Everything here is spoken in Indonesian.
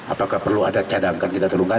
apakah perlu ada cadangkan kita turunkan